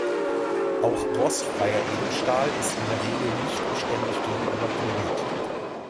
Auch rostfreier Edelstahl ist in der Regel nicht beständig gegenüber Chlorid.